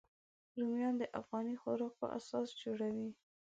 رومیان د افغاني خوراکو اساس جوړوي